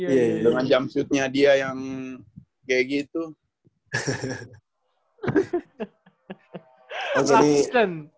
dengan jumpsuitnya dia yang kayak gitu